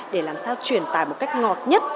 để làm sao truyền tải một cách ngọt nhất